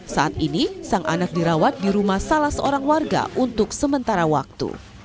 saat ini sang anak dirawat di rumah salah seorang warga untuk sementara waktu